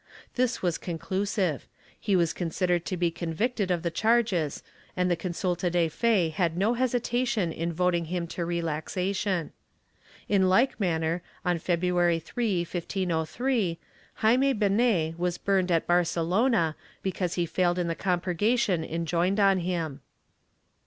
This was conclusive; he was considered to be convicted of the charges and the consulta de fe had no hesitation in voting him to relaxation. In like manner, on Feb ruary 3, 1503, Jayme Benet was burnt at Barcelona because he failed in the compurgation enjoined on him.